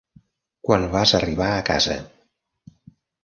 Quan vas arribar a casa.